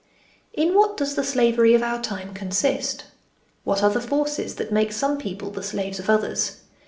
IN what does the slavery of our time consist ? What are the forces that make some people the slaves of others